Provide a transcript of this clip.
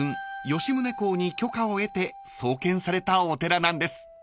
吉宗公に許可を得て創建されたお寺なんです］